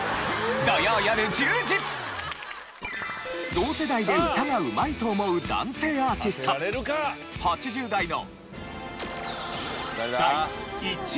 同世代で歌がうまいと思う男性アーティスト８０代の。